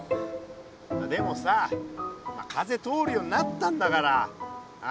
でもさ風通るようになったんだからああ大したもんだよ。